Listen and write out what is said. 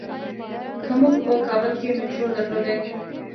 که مونږ په کابل کې میټرو درلودلای.